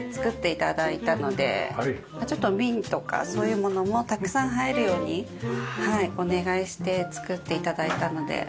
ちょっとビンとかそういうものもたくさん入るようにお願いして作って頂いたので。